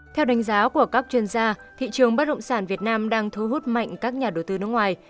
theo đánh giá của các chuyên gia thị trường bất động sản việt nam đang thu hút mạnh các nhà đầu tư nước ngoài